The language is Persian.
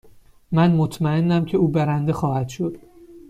من مطمئنم که او برنده خواهد شد.